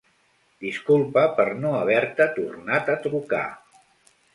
Disculpa per no haver-te tornat a trucar.